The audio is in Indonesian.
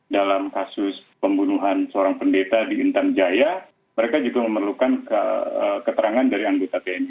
dalam kasus pembunuhan seorang pendeta di intan jaya mereka juga memerlukan keterangan dari anggota tni